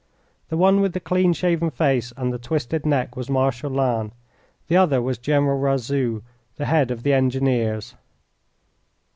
The one with the clean shaven face and the twisted neck was Marshal Lannes, the other was General Razout, the head of the engineers.